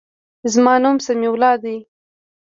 زما نوم سمیع الله دی.